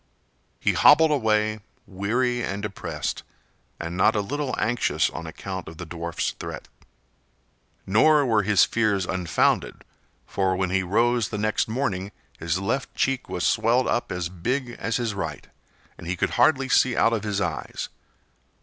He hobbled away, weary and depressed, and not a little anxious on account of the dwarfs' threat. Nor were his fears unfounded, for when he rose next morning his left cheek was swelled up as big as his right, and he could hardly see out of his eyes.